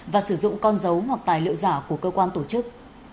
và sử dụng con dấu hoặc tài liệu giả của cơ quan tổ chức